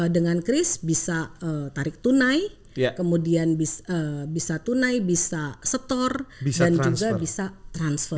dengan kris bisa tarik tunai kemudian bisa tunai bisa setor dan juga bisa transfer